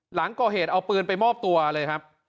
หลังก่อเหตุเอาปืนไปมอบตัวเลยครับ